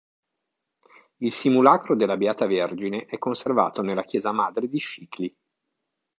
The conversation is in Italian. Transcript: Il simulacro della Beata Vergine è conservato nella chiesa Madre di Scicli.